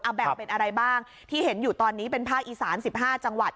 แบ่งเป็นอะไรบ้างที่เห็นอยู่ตอนนี้เป็นภาคอีสาน๑๕จังหวัด